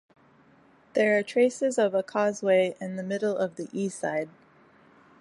There are traces of a causeway in the middle of the E side.